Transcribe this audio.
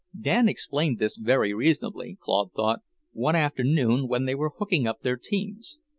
Dan explained this very reasonably, Claude thought, one afternoon when they were hooking up their teams.